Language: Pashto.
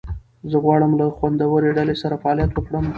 زه غواړم له خوندورې ډلې سره فعالیت وکړم.